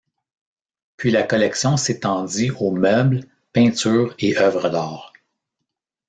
Puis la collection s’étendit aux meubles, peintures et œuvres d’art.